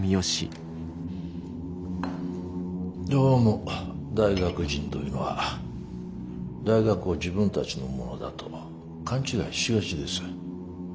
どうも大学人というのは大学を自分たちのものだと勘違いしがちです。